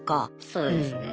そうですね。